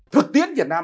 thực tiết việt nam